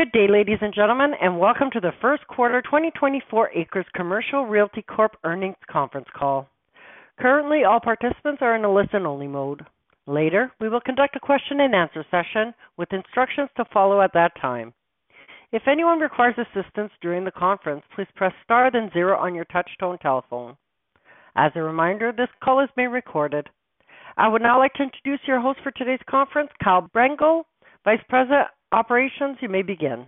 Good day, ladies and gentlemen, and welcome to the first quarter 2024 ACRES Commercial Realty Corp earnings conference call. Currently, all participants are in a listen-only mode. Later, we will conduct a question-and-answer session with instructions to follow at that time. If anyone requires assistance during the conference, please press star then zero on your touch-tone telephone. As a reminder, this call is being recorded. I would now like to introduce your host for today's conference, Kyle Brengel, Vice President Operations. You may begin.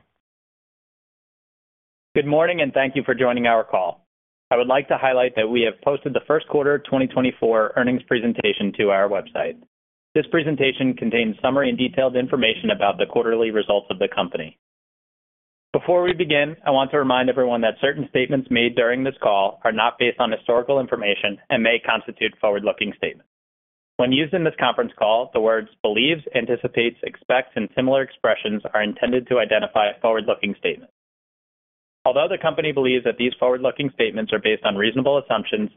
Good morning, and thank you for joining our call. I would like to highlight that we have posted the first quarter 2024 earnings presentation to our website. This presentation contains summary and detailed information about the quarterly results of the company. Before we begin, I want to remind everyone that certain statements made during this call are not based on historical information and may constitute forward-looking statements. When used in this conference call, the words "believes," "anticipates," "expects," and similar expressions are intended to identify a forward-looking statement. Although the company believes that these forward-looking statements are based on reasonable assumptions,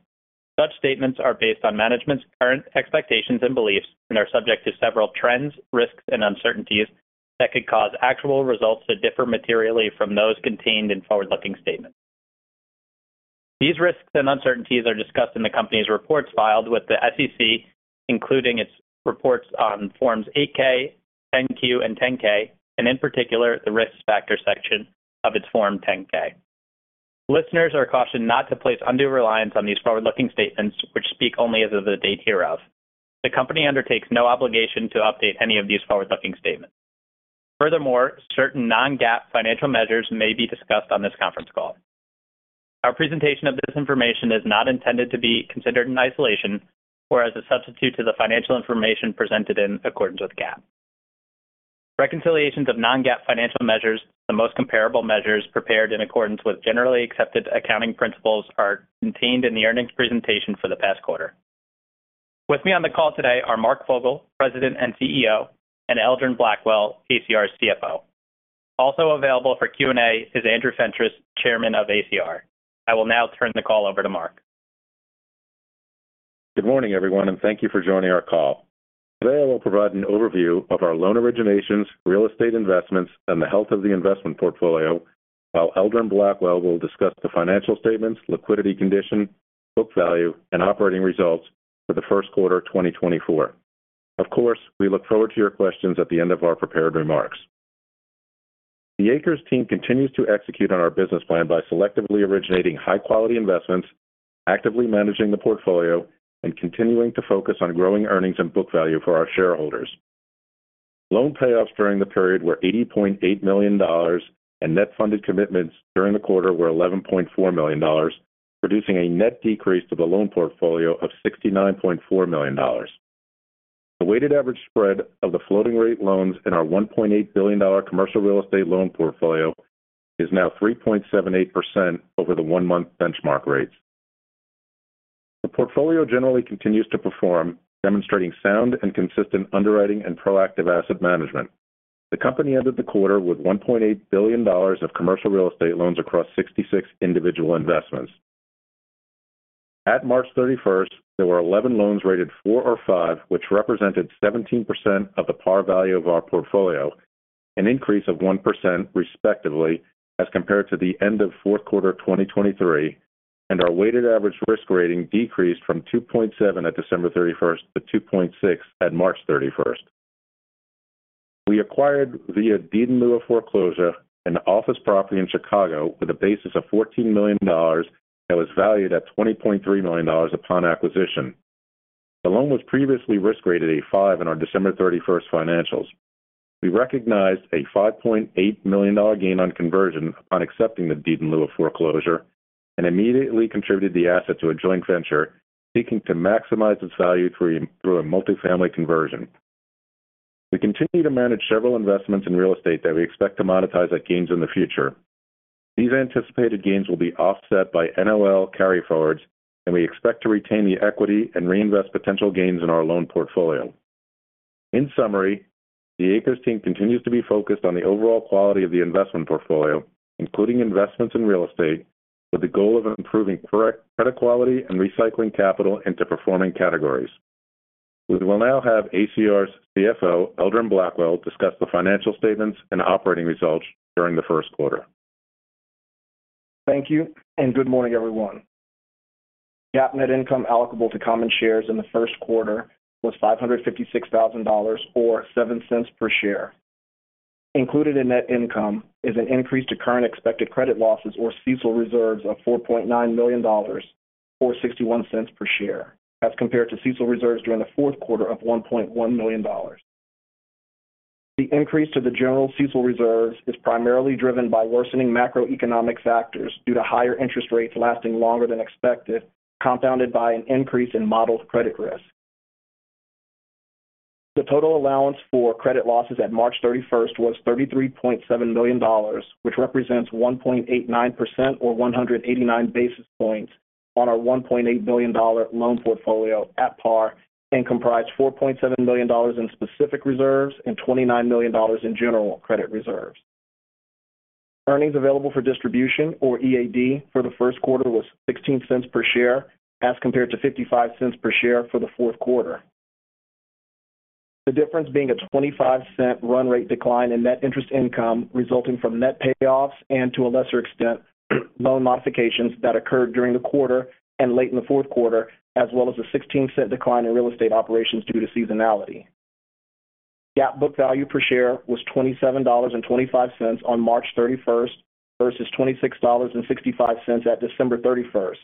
such statements are based on management's current expectations and beliefs and are subject to several trends, risks, and uncertainties that could cause actual results to differ materially from those contained in forward-looking statements. These risks and uncertainties are discussed in the company's reports filed with the SEC, including its reports on Forms 8-K, 10-Q, and 10-K, and in particular, the risk factor section of its Form 10-K. Listeners are cautioned not to place undue reliance on these forward-looking statements, which speak only as of the date hereof. The company undertakes no obligation to update any of these forward-looking statements. Furthermore, certain non-GAAP financial measures may be discussed on this conference call. Our presentation of this information is not intended to be considered in isolation or as a substitute to the financial information presented in accordance with GAAP. Reconciliations of non-GAAP financial measures, the most comparable measures prepared in accordance with generally accepted accounting principles, are contained in the earnings presentation for the past quarter. With me on the call today are Mark Fogel, President and CEO, and Eldron Blackwell, ACR's CFO. Also available for Q&A is Andrew Fentress, Chairman of ACR. I will now turn the call over to Mark. Good morning, everyone, and thank you for joining our call. Today I will provide an overview of our loan originations, real estate investments, and the health of the investment portfolio, while Eldron Blackwell will discuss the financial statements, liquidity condition, book value, and operating results for the first quarter 2024. Of course, we look forward to your questions at the end of our prepared remarks. The ACRES team continues to execute on our business plan by selectively originating high-quality investments, actively managing the portfolio, and continuing to focus on growing earnings and book value for our shareholders. Loan payoffs during the period were $80.8 million and net funded commitments during the quarter were $11.4 million, producing a net decrease to the loan portfolio of $69.4 million. The weighted average spread of the floating-rate loans in our $1.8 billion commercial real estate loan portfolio is now 3.78% over the one-month benchmark rates. The portfolio generally continues to perform, demonstrating sound and consistent underwriting and proactive asset management. The company ended the quarter with $1.8 billion of commercial real estate loans across 66 individual investments. At 31st March, there were 11 loans rated four or five, which represented 17% of the par value of our portfolio, an increase of 1% respectively as compared to the end of fourth quarter 2023, and our weighted average risk rating decreased from 2.7 at December 31st-2.6 at March 31st. We acquired via Deed in Lieu foreclosure an office property in Chicago with a basis of $14 million and was valued at $20.3 million upon acquisition. The loan was previously risk rated a five in our December 31st financials. We recognized a $5.8 million gain on conversion upon accepting the Deed in Lieu foreclosure and immediately contributed the asset to a joint venture seeking to maximize its value through a multifamily conversion. We continue to manage several investments in real estate that we expect to monetize at gains in the future. These anticipated gains will be offset by NOL carryforwards, and we expect to retain the equity and reinvest potential gains in our loan portfolio. In summary, the ACRES team continues to be focused on the overall quality of the investment portfolio, including investments in real estate, with the goal of improving credit quality and recycling capital into performing categories. We will now have ACRES' CFO, Eldron Blackwell, discuss the financial statements and operating results during the first quarter. Thank you, and good morning, everyone. GAAP net income eligible to common shares in the first quarter was $556,000 or $0.07 per share. Included in net income is an increase to current expected credit losses or CECL reserves of $4.9 million or $0.61 per share as compared to CECL reserves during the fourth quarter of $1.1 million. The increase to the general CECL reserves is primarily driven by worsening macroeconomic factors due to higher interest rates lasting longer than expected, compounded by an increase in modeled credit risk. The total allowance for credit losses at March 31st was $33.7 million, which represents 1.89% or 189 basis points on our $1.8 million loan portfolio at par and comprised $4.7 million in specific reserves and $29 million in general credit reserves. Earnings available for distribution, or EAD, for the first quarter was $0.16 per share as compared to $0.55 per share for the fourth quarter. The difference being a $0.25 run-rate decline in net interest income resulting from net payoffs and, to a lesser extent, loan modifications that occurred during the quarter and late in the fourth quarter, as well as a $0.16 decline in real estate operations due to seasonality. GAAP book value per share was $27.25 on March 31st versus $26.65 at December 31st.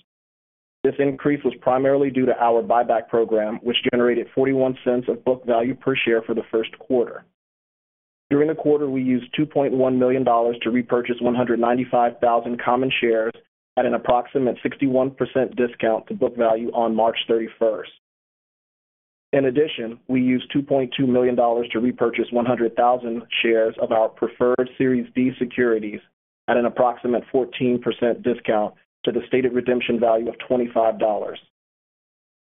This increase was primarily due to our buyback program, which generated $0.41 of book value per share for the first quarter. During the quarter, we used $2.1 million to repurchase 195,000 common shares at an approximate 61% discount to book value on March 31st. In addition, we used $2.2 million to repurchase 100,000 shares of our preferred Series D securities at an approximate 14% discount to the stated redemption value of $25.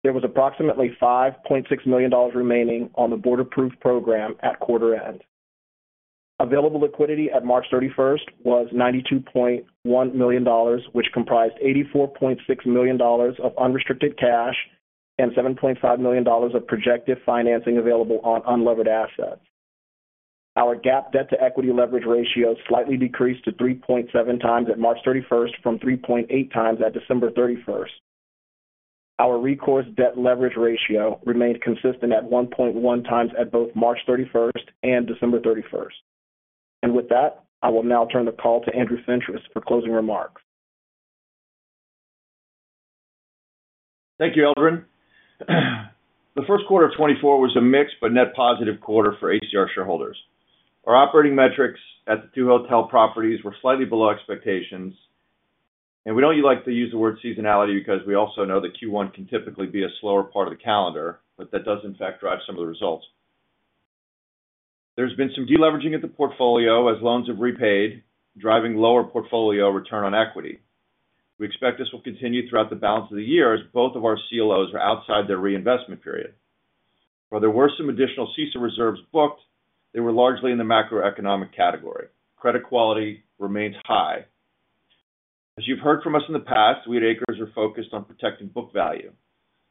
There was approximately $5.6 million remaining on the board-approved program at quarter-end. Available liquidity at March 31st was $92.1 million, which comprised $84.6 million of unrestricted cash and $7.5 million of projected financing available on unlevered assets. Our GAAP debt-to-equity leverage ratio slightly decreased to 3.7 times at March 31st from 3.8 times at December 31st. Our recourse debt leverage ratio remained consistent at 1.1 times at both March 31st and December 31st. With that, I will now turn the call to Andrew Fentress for closing remarks. Thank you, Eldron. The first quarter of 2024 was a mixed but net positive quarter for ACR shareholders. Our operating metrics at the two hotel properties were slightly below expectations, and we know you like to use the word seasonality because we also know that Q1 can typically be a slower part of the calendar, but that does, in fact, drive some of the results. There's been some deleveraging at the portfolio as loans have repaid, driving lower portfolio return on equity. We expect this will continue throughout the balance of the year as both of our CLOs are outside their reinvestment period. While there were some additional CECL reserves booked, they were largely in the macroeconomic category. Credit quality remains high. As you've heard from us in the past, we at ACRES are focused on protecting book value.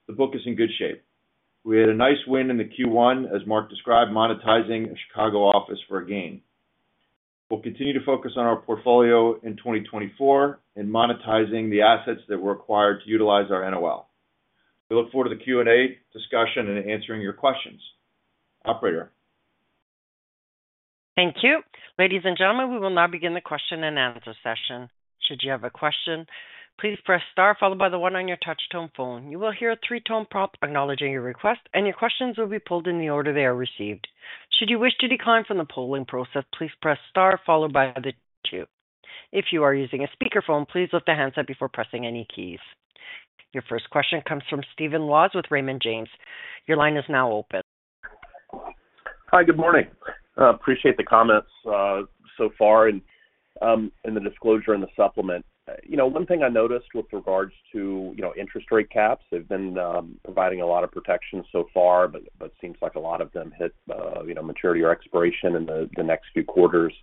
The book is in good shape. We had a nice win in the Q1, as Mark described, monetizing a Chicago office for a gain. We'll continue to focus on our portfolio in 2024 and monetizing the assets that were acquired to utilize our NOL. We look forward to the Q&A discussion and answering your questions. Operator. Thank you. Ladies and gentlemen, we will now begin the question-and-answer session. Should you have a question, please press star followed by the one on your touch-tone phone. You will hear a three-tone prompt acknowledging your request, and your questions will be pulled in the order they are received. Should you wish to decline from the polling process, please press star followed by the two. If you are using a speakerphone, please lift the handset up before pressing any keys. Your first question comes from Stephen Laws with Raymond James. Your line is now open. Hi, good morning. Appreciate the comments so far and the disclosure and the supplement. One thing I noticed with regards to interest rate caps, they've been providing a lot of protection so far, but it seems like a lot of them hit maturity or expiration in the next few quarters.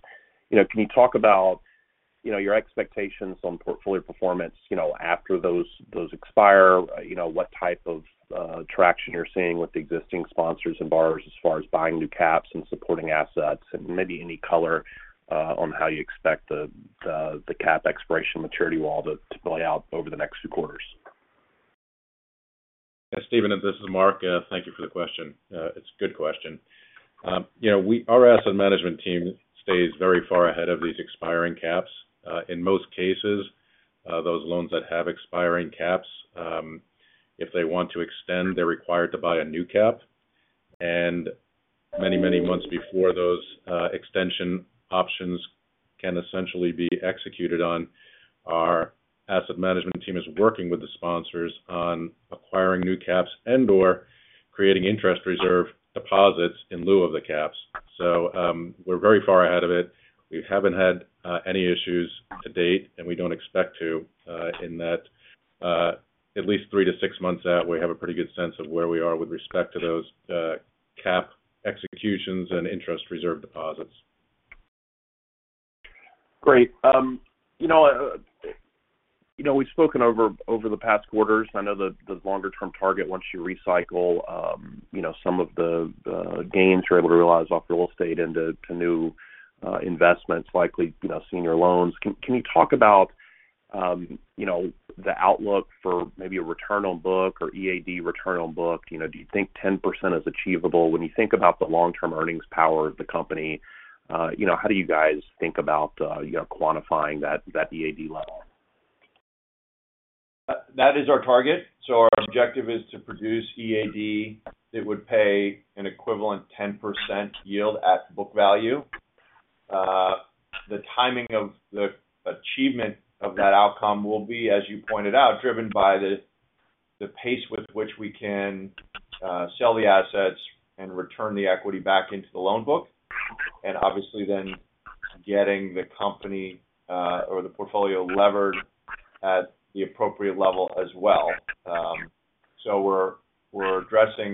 Can you talk about your expectations on portfolio performance after those expire? What type of traction you're seeing with the existing sponsors and buyers as far as buying new caps and supporting assets, and maybe any color on how you expect the cap expiration maturity wall to play out over the next few quarters? Yeah, Stephen, and this is Mark. Thank you for the question. It's a good question. Our asset management team stays very far ahead of these expiring caps. In most cases, those loans that have expiring caps, if they want to extend, they're required to buy a new cap. And many, many months before those extension options can essentially be executed on, our asset management team is working with the sponsors on acquiring new caps and/or creating interest reserve deposits in lieu of the caps. So we're very far ahead of it. We haven't had any issues to date, and we don't expect to, in that at least three to six months out, we have a pretty good sense of where we are with respect to those cap executions and interest reserve deposits. Great. We've spoken over the past quarters. I know the longer-term target, once you recycle some of the gains you're able to realize off real estate into new investments, likely senior loans. Can you talk about the outlook for maybe a return on book or EAD return on book? Do you think 10% is achievable? When you think about the long-term earnings power of the company, how do you guys think about quantifying that EAD level? That is our target. So our objective is to produce EAD that would pay an equivalent 10% yield at book value. The timing of the achievement of that outcome will be, as you pointed out, driven by the pace with which we can sell the assets and return the equity back into the loan book, and obviously then getting the company or the portfolio levered at the appropriate level as well. So we're addressing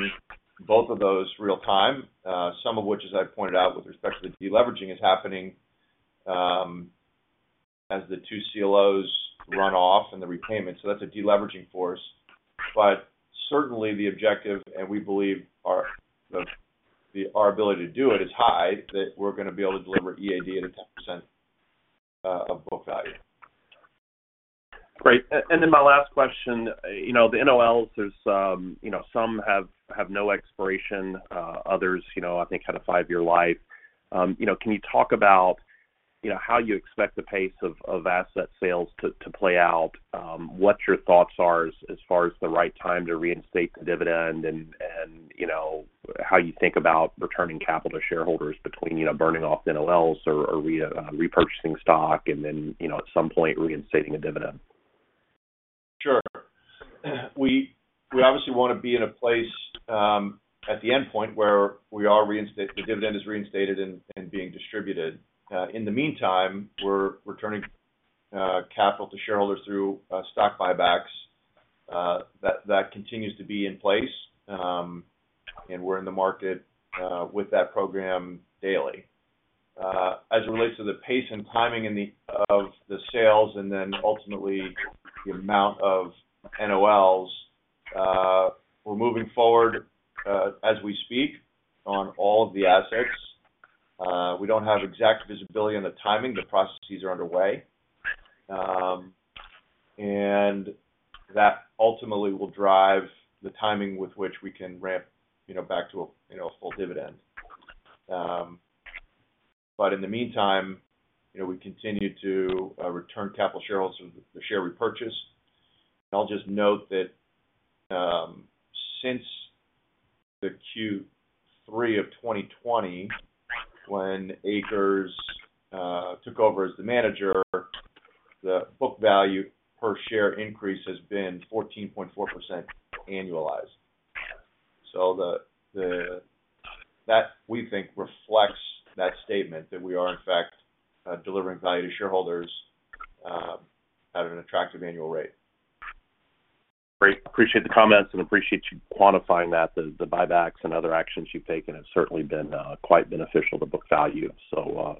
both of those real-time, some of which, as I pointed out, with respect to the deleveraging is happening as the two CLOs run off and the repayments. So that's a deleveraging force. But certainly, the objective, and we believe our ability to do it, is high. That we're going to be able to deliver EAD at a 10% of book value. Great. And then my last question, the NOLs, some have no expiration, others, I think, had a five-year life. Can you talk about how you expect the pace of asset sales to play out, what your thoughts are as far as the right time to reinstate the dividend, and how you think about returning capital to shareholders between burning off NOLs or repurchasing stock and then, at some point, reinstating a dividend? Sure. We obviously want to be in a place at the endpoint where the dividend is reinstated and being distributed. In the meantime, we're returning capital to shareholders through stock buybacks. That continues to be in place, and we're in the market with that program daily. As it relates to the pace and timing of the sales and then ultimately the amount of NOLs, we're moving forward as we speak on all of the assets. We don't have exact visibility on the timing. The processes are underway. And that ultimately will drive the timing with which we can ramp back to a full dividend. But in the meantime, we continue to return capital shareholders through the share repurchase. I'll just note that since the Q3 of 2020, when ACRES took over as the manager, the book value per share increase has been 14.4% annualized. So that, we think, reflects that statement that we are, in fact, delivering value to shareholders at an attractive annual rate. Great. Appreciate the comments and appreciate you quantifying that. The buybacks and other actions you've taken have certainly been quite beneficial to book value. So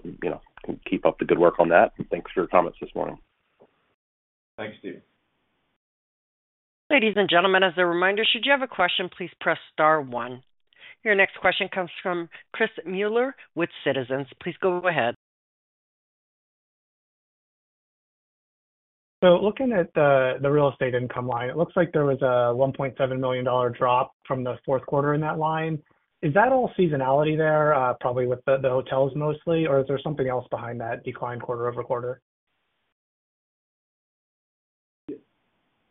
keep up the good work on that. And thanks for your comments this morning. Thanks, Steven. Ladies and gentlemen, as a reminder, should you have a question, please press star one. Your next question comes from Chris Muller with Citizens. Please go ahead. Looking at the real estate income line, it looks like there was a $1.7 million drop from the fourth quarter in that line. Is that all seasonality there, probably with the hotels mostly, or is there something else behind that decline quarter-over-quarter?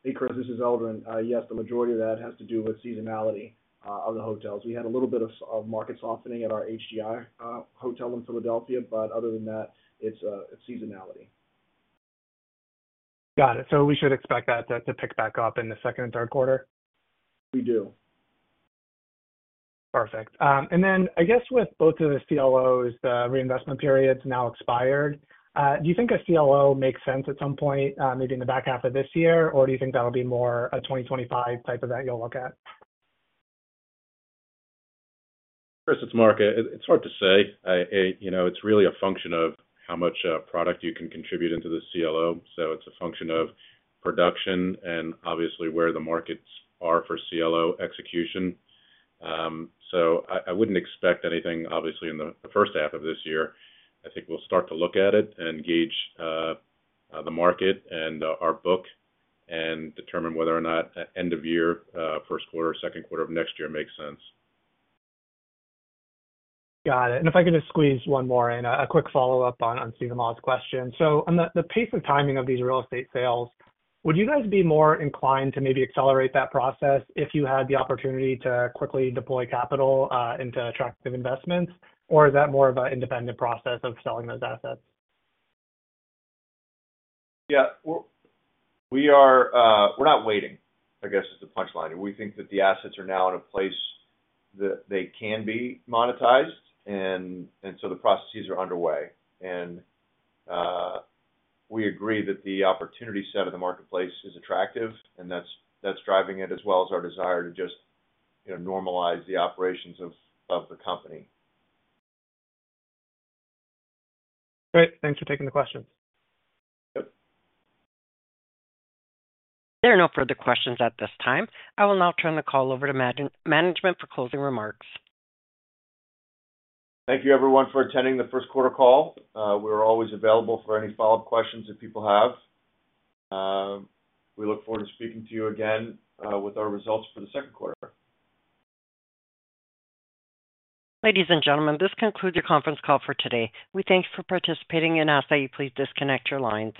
ACRES, this is Eldron. Yes, the majority of that has to do with seasonality of the hotels. We had a little bit of market softening at our HGI hotel in Philadelphia, but other than that, it's seasonality. Got it. So we should expect that to pick back up in the second and third quarter? We do. Perfect. Then, I guess, with both of the CLOs, the reinvestment period's now expired. Do you think a CLO makes sense at some point, maybe in the back half of this year, or do you think that'll be more a 2025 type event you'll look at? Chris, it's Mark. It's hard to say. It's really a function of how much product you can contribute into the CLO. So it's a function of production and, obviously, where the markets are for CLO execution. So I wouldn't expect anything, obviously, in the first half of this year. I think we'll start to look at it and gauge the market and our book and determine whether or not end of year, first quarter, second quarter of next year makes sense. Got it. And if I could just squeeze one more in, a quick follow-up on Stephen Laws's question. So on the pace and timing of these real estate sales, would you guys be more inclined to maybe accelerate that process if you had the opportunity to quickly deploy capital into attractive investments, or is that more of an independent process of selling those assets? Yeah, we're not waiting, I guess, is the punchline. We think that the assets are now in a place that they can be monetized, and so the processes are underway. And we agree that the opportunity set of the marketplace is attractive, and that's driving it as well as our desire to just normalize the operations of the company. Great. Thanks for taking the question. Yep. There are no further questions at this time. I will now turn the call over to management for closing remarks. Thank you, everyone, for attending the first quarter call. We're always available for any follow-up questions that people have. We look forward to speaking to you again with our results for the second quarter. Ladies and gentlemen, this concludes the conference call for today. We thank you for participating and ask that you please disconnect your lines.